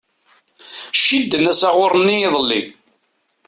Cidden asaɣuṛ-nni iḍelli.